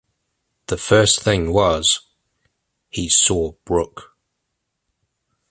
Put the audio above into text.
The first thing was — he saw Brooke.